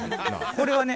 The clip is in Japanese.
これはね